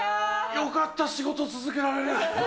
よかった、仕事続けられる。